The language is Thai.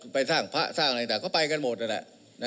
ไปสร้างพระสร้างอะไรต่างก็ไปกันหมดนั่นแหละ